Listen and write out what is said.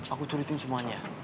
aku turutin semuanya